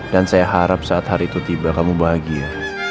dan saya harap saat hari itu tiba kamu bahagia